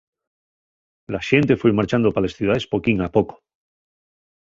La xente foi marchando pa les ciudaes poquín a poco.